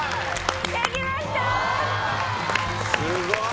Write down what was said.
すごーい！